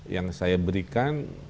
yang saya berikan